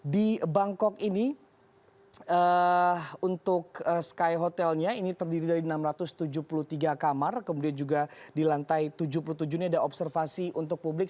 di bangkok ini untuk sky hotelnya ini terdiri dari enam ratus tujuh puluh tiga kamar kemudian juga di lantai tujuh puluh tujuh ini ada observasi untuk publik